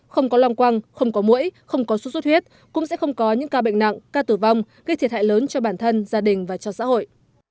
không có long quăng không có mũi không có xuất xuất huyết cũng sẽ không có những ca bệnh nặng ca tử vong gây thiệt hại lớn cho bản thân gia đình và cho xã hội